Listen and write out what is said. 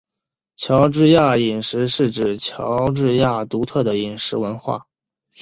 乔治亚饮食是指乔治亚独特的饮食文化。